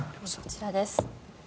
こちらです。